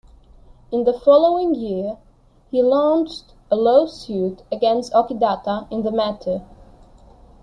In the following year, he launched a lawsuit against Okidata in the matter.